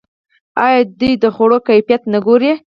آیا دوی د خوړو کیفیت نه ګوري؟